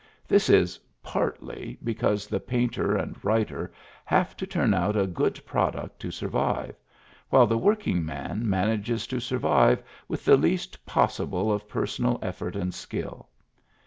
This is (partly) because painter and writer have to turn out a good product to survive, while the working man man ages to survive with the least possible of personal effort and skill.